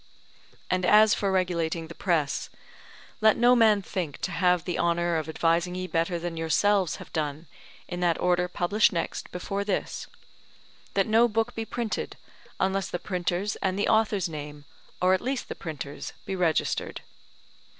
And as for regulating the press, let no man think to have the honour of advising ye better than yourselves have done in that Order published next before this, "that no book be printed, unless the printer's and the author's name, or at least the printer's, be registered."